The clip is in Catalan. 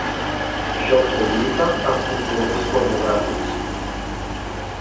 Jocs de lluita amb components pornogràfics.